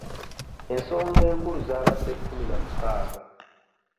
Ensonga enkulu zaabadde kkumi na mukaaga.